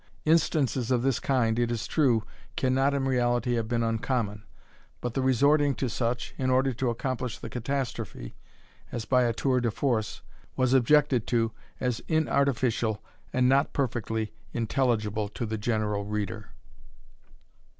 Instances of this kind, it is true, cannot in reality have been uncommon, but the resorting to such, in order to accomplish the catastrophe, as by a tour de force, was objected to as inartificial, and not perfectly, intelligible to the general reader.